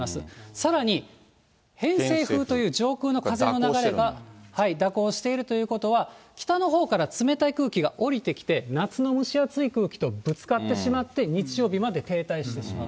さらに偏西風という上空の風の流れが蛇行しているということは、北のほうから冷たい空気が下りてきて、夏の蒸し暑い空気とぶつかってしまって、日曜日まで停滞してしまう。